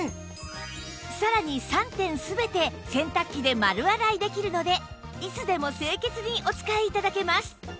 さらに３点全て洗濯機で丸洗いできるのでいつでも清潔にお使い頂けます